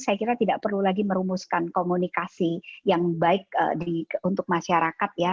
saya kira tidak perlu lagi merumuskan komunikasi yang baik untuk masyarakat ya